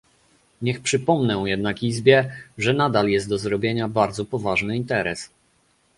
Niech przypomnę jednak Izbie, że nadal jest do zrobienia bardzo poważny interes